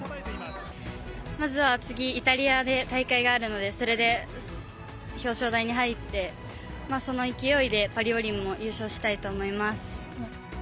まずは次、イタリアで大会があるので、それで表彰台に入って、その勢いで、パリ五輪も優勝したいと思います。